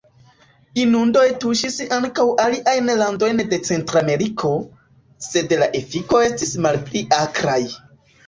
Inundoj tuŝis ankaŭ aliajn landojn de Centrameriko, sed la efiko estis malpli akraj.